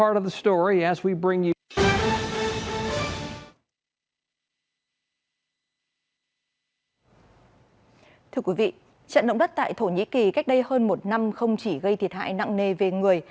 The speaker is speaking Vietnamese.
thưa quý vị trận động đất tại thổ nhĩ kỳ cách đây hơn một năm không chỉ gây thiệt hại nặng nề về người